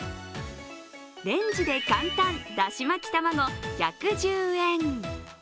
レンジで簡単だし巻きたまご１１０円。